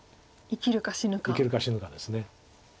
生きるか死ぬかです。